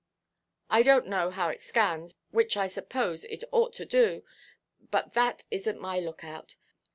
I donʼt know how it scans, which I suppose it ought to do, but that isnʼt my look–out.